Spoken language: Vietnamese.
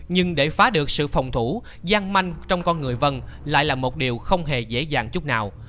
nhưng để phá được sự phòng thủ gian manh trong con người vân lại là một điều không hề dễ dàng chút nào